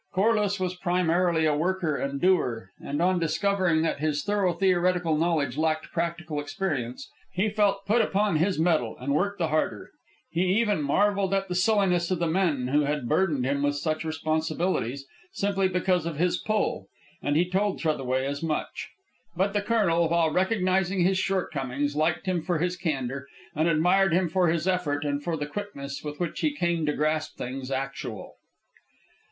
Corliss was primarily a worker and doer, and on discovering that his thorough theoretical knowledge lacked practical experience, he felt put upon his mettle and worked the harder. He even marvelled at the silliness of the men who had burdened him with such responsibilities, simply because of his pull, and he told Trethaway as much. But the colonel, while recognizing his shortcomings, liked him for his candor, and admired him for his effort and for the quickness with which he came to grasp things actual.